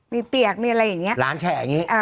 มีเปียกมีอะไรอย่างนี้ร้านแฉะอย่างนี้